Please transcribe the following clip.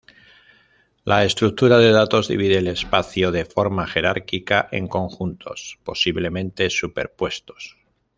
La estructura de datos divide el espacio de forma jerárquica en conjuntos, posiblemente superpuestos.